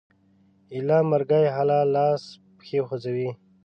ایله مرګي حاله لاس پښې خوځوي